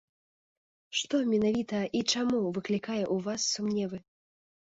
Што менавіта і чаму выклікае ў вас сумневы?